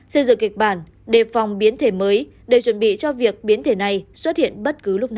xây dựng kịch bản đề phòng biến thể mới để chuẩn bị cho việc biến thể này xuất hiện bất cứ lúc nào